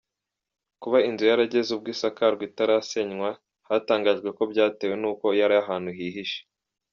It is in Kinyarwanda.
Kuba inzu yarageze ubwo isakarwa itarasenywa, hatangajwe ko byatewe n’uko yari ahantu hihishe.